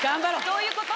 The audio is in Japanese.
どういうこと？